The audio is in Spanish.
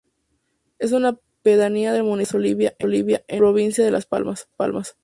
Es una pedanía del municipio de La Oliva, en la provincia de Las Palmas.